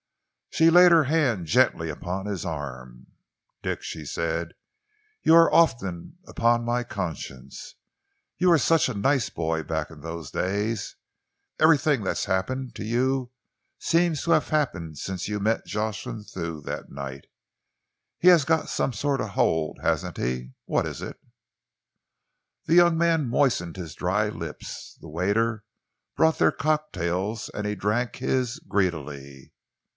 She laid her hand gently upon his arm. "Dick," she said, "you are often upon my conscience. You were such a nice boy, back in those days. Everything that's happened to you seems to have happened since you met Jocelyn Thew that night. He has got some sort of a hold, hasn't he? What is it?" The young man moistened his dry lips. The waiter brought their cocktails and he drank his greedily.